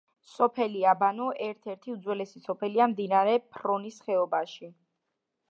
სოფელი აბანო ერთ-ერთი უძველესი სოფელია მდინარე ფრონის ხეობაში.